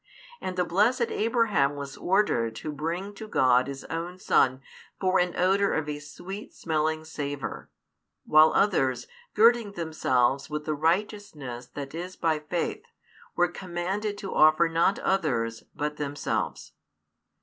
And the blessed Abraham was ordered to bring to God his own son for an odour of a sweet smelling savour, while others, girding themselves with the righteousness that is by faith, were commanded to offer not others but themselves.